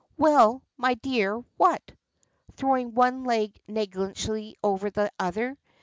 "Well, my dear. What?" throwing one leg negligently over the other.